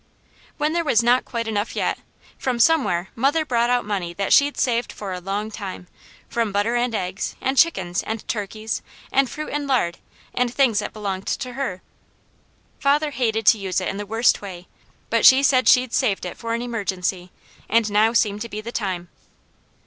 When there was not quite enough yet, from somewhere mother brought out money that she'd saved for a long time, from butter and eggs, and chickens, and turkeys, and fruit and lard, and things that belonged to her. Father hated to use it the worst way, but she said she'd saved it for an emergency, and now seemed to be the time.